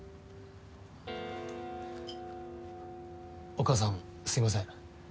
お母さんすいません。